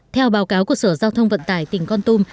theo báo cáo của sở giao thông vận tải tỉnh con tum